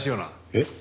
えっ？